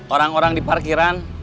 orang orang di parkiran